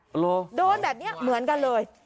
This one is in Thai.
เหรอโดนแบบนี้เหมือนกันเลย